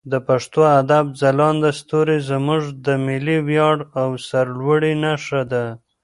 د پښتو ادب ځلانده ستوري زموږ د ملي ویاړ او سرلوړي نښه ده.